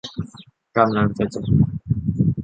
กำลังจะจบ